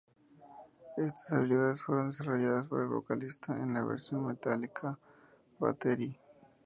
Estas habilidades fueron desarrolladas por el vocalista en la versión de Metallica, "Battery".